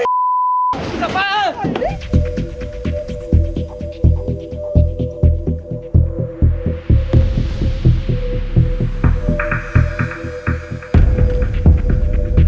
อ๋ออยากจะขอบคุณครอบครัวเขาไหมครับเค้าว่าไง